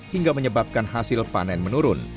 hingga menyebabkan hasil panen menurun